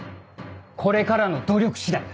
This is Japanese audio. これからの努力次第だ。